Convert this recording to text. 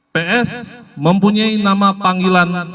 ps mempunyai nama panggilan